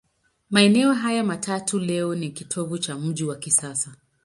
Maeneo hayo matatu leo ni kitovu cha mji wa kisasa.